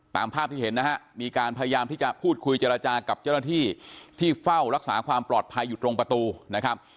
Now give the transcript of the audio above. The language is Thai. ตามภาพที่เห็นนะฮะมีการพยายามที่จะพูดคุยเจรจากับเจ้าหน้าที่ที่เฝ้ารักษาความปลอดภัยอยู่ตรงประตูนะครับ